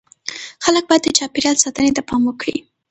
خلک باید د چاپیریال ساتنې ته پام وکړي.